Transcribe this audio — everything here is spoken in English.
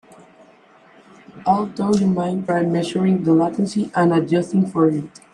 Although you might try measuring the latency and adjusting for it.